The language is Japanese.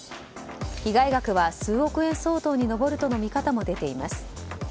被害額は数億円相当に上るとの見方も出ています。